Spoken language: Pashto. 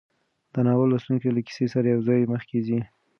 د ناول لوستونکی له کیسې سره یوځای مخکې ځي.